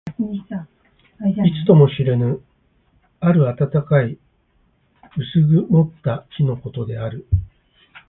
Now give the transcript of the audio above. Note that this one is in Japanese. いつとも知れぬ、ある暖かい薄曇った日のことである。